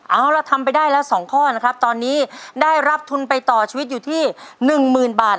เอาล่ะทำไปได้แล้ว๒ข้อนะครับตอนนี้ได้รับทุนไปต่อชีวิตอยู่ที่๑๐๐๐บาท